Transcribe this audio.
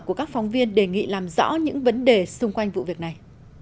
của các phóng viên đề nghị làm rõ những vấn đề xung quanh vụ việc này